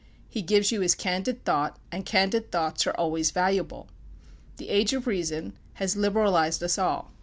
He gives you his candid thought, and candid thoughts are always valuable. The "Age of Reason" has liberalized us all.